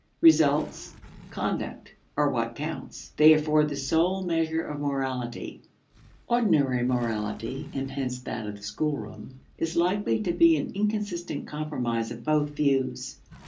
Results, conduct, are what counts; they afford the sole measure of morality. Ordinary morality, and hence that of the schoolroom, is likely to be an inconsistent compromise of both views.